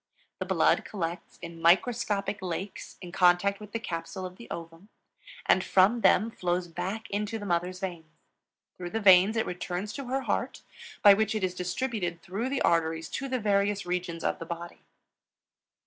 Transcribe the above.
The blood collects in microscopic lakes in contact with the capsule of the ovum, and from them flows back into the mother's veins. Through the veins it returns to her heart, by which it is distributed through the arteries to the various regions of the body.